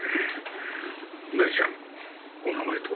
お姉ちゃんお名前とお年は？